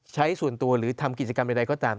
ใช้ส่วนตัวหรือทำกิจกรรมใดก็ตาม